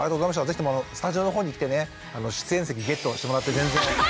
ぜひともスタジオのほうに来てね出演席ゲットしてもらって全然。